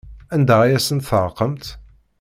Anda ay asent-terqamt?